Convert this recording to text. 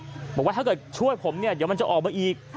บอกว่าถ้าเกิดช่วยผมเนี่ยเดี๋ยวมันจะออกมาอีก